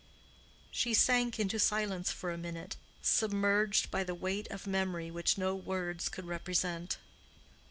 She sank into silence for a minute, submerged by the weight of memory which no words could represent.